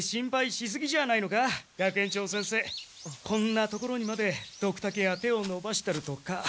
こんな所にまでドクタケが手をのばしてるとか。